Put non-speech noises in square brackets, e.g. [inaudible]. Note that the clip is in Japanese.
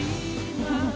フフフ [laughs]